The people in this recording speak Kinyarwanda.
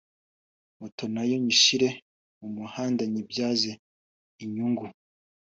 moto nayo nyishyire mu muhanda nyibyaze inyungu”